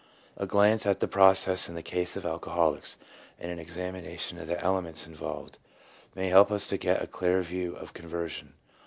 A glance at the process in the case of alcoholics, and an examination of the elements involved, may help us to get a clearer view of conversion.